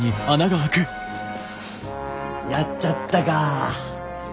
やっちゃったか。